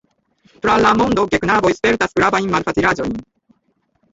Tra la mondo geknaboj spertas gravajn malfacilaĵojn.